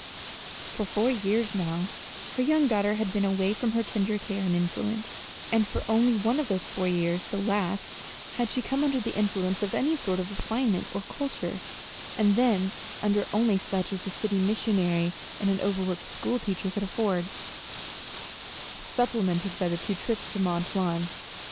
For four years now her young daughter had been away from her tender care and influence; and for only one of those four years the last had she come under the influence of any sort of refinement or culture, and then under only such as a city missionary and an overworked schoolteacher could afford, supplemented by the two trips to Mont Lawn.